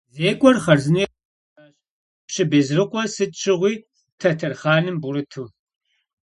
Зекӏуэр хъарзынэу екӏуэкӏащ, пщы Безрыкъуэ сыт щыгъуи тэтэр хъаным бгъурыту.